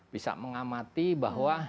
bisa mengamati bahwa